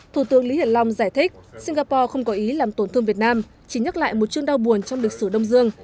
thủ tướng lý hiển long giải thích singapore không có ý làm tổn thương việt nam chỉ nhắc lại một chương đau buồn trong lịch sử đông dương